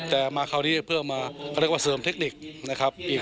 แต่มาคราวนี้เพื่อมาเขาเรียกว่าเสริมเทคนิคนะครับ